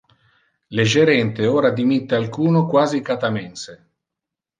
Le gerente ora dimitte alcuno quasi cata mense.